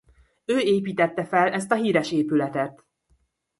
Ő építette fel ezt a híres épületet.